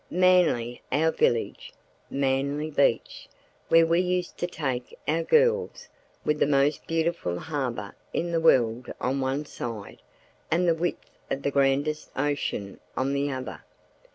Manly—"Our Village"—Manly Beach, where we used to take our girls, with the most beautiful harbour in the world on one side, and the width of the grandest ocean on the other.